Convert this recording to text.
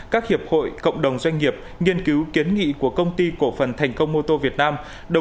các hiệp hội cộng đồng doanh nghiệp nghiên cứu kiến nghị của công ty cổ phần thành công mô tô việt nam